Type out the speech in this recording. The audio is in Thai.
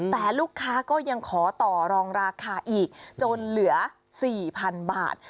แต่ลูกค้าก็ยังขอต่อรองราคาอีกจนเหลือ๔๐๐๐บาท